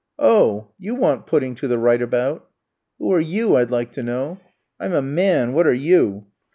"Oh, you want putting to the right about." "Who are you, I'd like to know?" "I'm a man! What are you?"